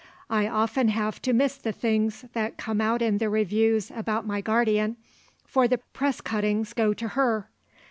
I often have to miss the things that come out in the reviews about my guardian, for the press cuttings go to her.